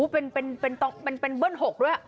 เป็นเบิ้ล๖ด้วย